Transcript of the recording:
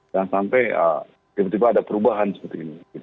dan sampai tiba tiba ada perubahan seperti ini